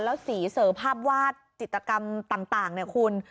แล้วสีเสอภาพวาดจิตกรรมต่างเนี่ยคุณ